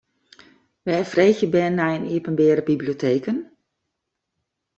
Wêr freegje bern nei yn iepenbiere biblioteken?